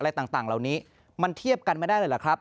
อะไรต่างเหล่านี้มันเทียบกันไม่ได้เลยเหรอครับ